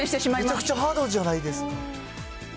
めちゃくちゃハードじゃないですか。